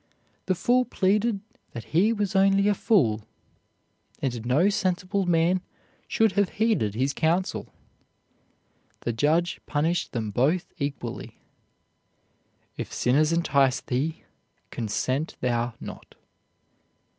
The fool pleaded that he was only a fool, and no sensible man should have heeded his counsel. The judge punished them both equally. "If sinners entice thee, consent thou not."